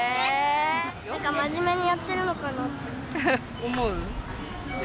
なんか真面目にやってるのかなって思う。